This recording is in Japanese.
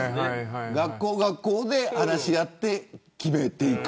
学校学校で話し合って決めていく。